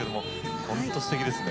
本当にすてきですね。